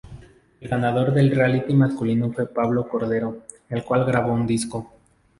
El ganador del reality masculino fue Pablo Cordero, el cual grabó un disco.